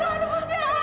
aduh gusti tolong